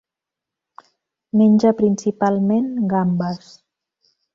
Menja principalment gambes.